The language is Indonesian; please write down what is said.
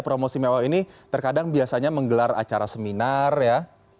promosi mewah ini terkadang biasanya menggelar acara seminar ya